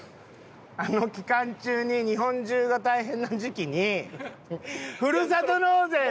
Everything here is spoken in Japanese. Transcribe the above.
あの期間中に日本中が大変な時期にふるさと納税で。